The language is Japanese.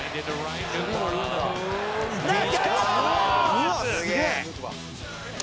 うわっすげえ！